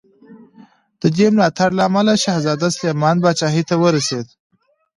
د دې ملاتړ له امله شهزاده سلیمان پاچاهي ته ورسېد.